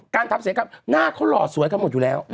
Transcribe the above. การทำศัยกรรมหน้าเขาหล่อสวยกันหมดอยู่แล้ว